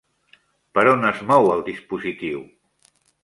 Per on es mou el dispositiu?